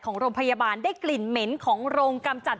ของโรงพยาบาลได้กลิ่นเหม็นของโรงกำจัด